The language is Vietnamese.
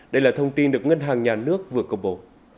đây là thông tin được ngân hàng nhà nước vừa cộng bổ